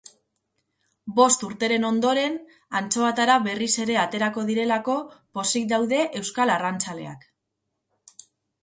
Bost urteren ondoren, antxoatara berriz ere aterako direlako pozik daude euskal arrantzaleak.